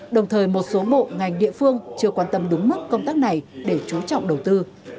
đồng thời một số bộ ngành địa phương chưa quan tâm đúng mức công tác này để chú trọng đầu tư